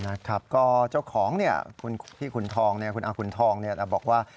นะครับก็เจ้าของเนี่ยคุณพี่ขุนทองเนี่ยคุณอาคุณทองเนี่ยบอกว่า